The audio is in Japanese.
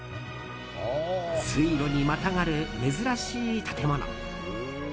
水路にまたがる珍しい建物。